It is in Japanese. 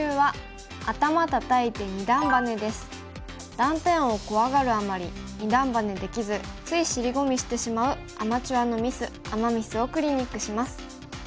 断点を怖がるあまり二段バネできずつい尻込みしてしまうアマチュアのミスアマ・ミスをクリニックします。